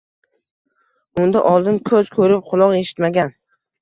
Unda oldin ko'z ko'rib, quloq eshitmagan